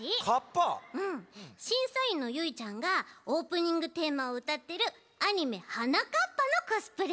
うん。しんさいんのゆいちゃんがオープニングテーマをうたってるアニメ「はなかっぱ」のコスプレだち。